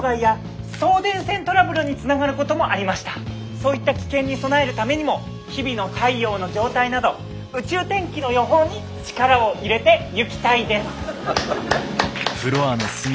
そういった危険に備えるためにも日々の太陽の状態など宇宙天気の予報に力を入れてゆきたいです。